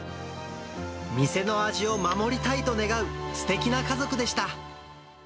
店の味を守りたいと願う、すてきな家族でした。